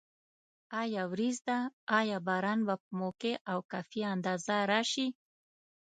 آیا وریځ ده؟ آیا باران به په موقع او کافي اندازه راشي؟